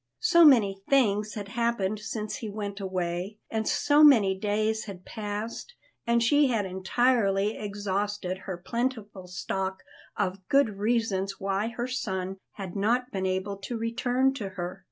So many things had happened since he went away, and so many days had passed, and she had entirely exhausted her plentiful stock of very good reasons why her son had not been able to return to her.